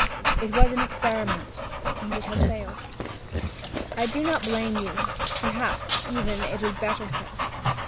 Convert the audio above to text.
It was an experiment, and it has failed. I do not blame you; perhaps, even, it is better so.